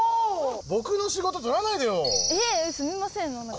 僕の仕事取らないでよ！えすみません何だか。